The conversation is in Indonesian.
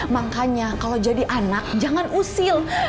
makanya kalau jadi anak jangan usil